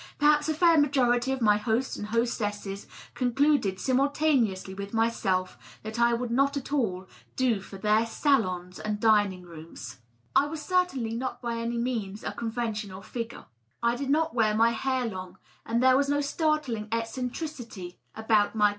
Perhaps a fair majority of my hosts and hostesses concluded simultaneously with myself that I would not at all do for their salons and dining rooms. • I was certainly not by any means a conventional figure. I did not wear my hair long, and there was no startling eccentricity about my DOUGLAS DUANE.